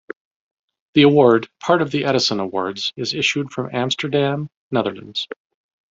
The award, part of the Edison Awards, is issued from Amsterdam, Netherlands.